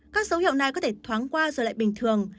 các dấu hiệu này có thể thoáng qua rồi lại bình thường